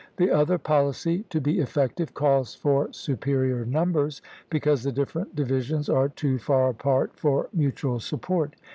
The other policy, to be effective, calls for superior numbers, because the different divisions are too far apart for mutual support.